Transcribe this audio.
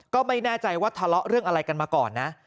ก็ไม่แน่ใจว่าทะเลาะเรื่องอะไรกันมาก่อนนะ